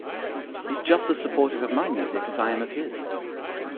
He's just as supportive of my music as I am of his.